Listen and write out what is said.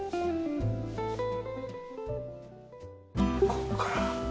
ここから。